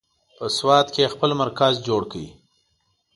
په سوات کې یې خپل مرکز جوړ کړ.